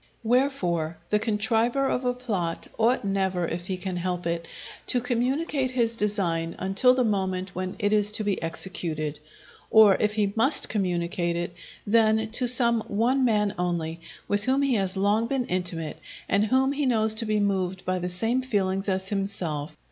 Wherefore, the contriver of a plot ought never, if he can help it, to communicate his design until the moment when it is to be executed; or if he must communicate it, then to some one man only, with whom he has long been intimate, and whom he knows to be moved by the same feelings as himself.